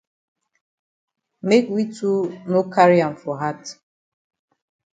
Make we too no carry am for hat.